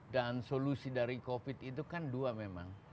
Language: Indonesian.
dan solusi dari covid itu kan dua memang